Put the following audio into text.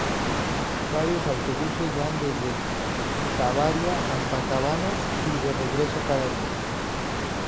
Varios autobuses van desde Tavira hasta Cabanas y de regreso cada día.